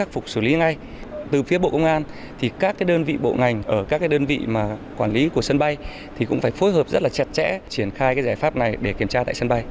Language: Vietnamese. phục xử lý ngay từ phía bộ công an thì các đơn vị bộ ngành ở các đơn vị mà quản lý của sân bay thì cũng phải phối hợp rất là chặt chẽ triển khai cái giải pháp này để kiểm tra tại sân bay